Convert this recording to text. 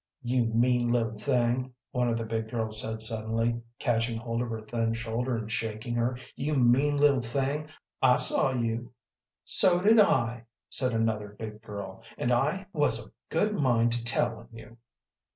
"You mean little thing," one of the big girls said suddenly, catching hold of her thin shoulder and shaking her "you mean little thing, I saw you." "So did I," said another big girl, "and I was a good mind to tell on you."